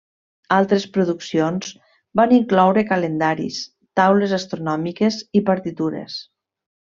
Altres produccions van incloure calendaris, taules astronòmiques i partitures.